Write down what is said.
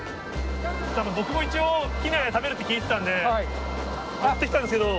僕も一応、機内で食べるって聞いてたんで、持ってきたんですけれども。